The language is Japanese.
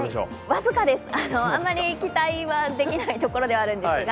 僅かです、あまり期待はできないところではあるんですが。